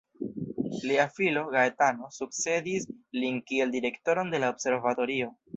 Lia filo, Gaetano, sukcedis lin kiel direktoron de la observatorio.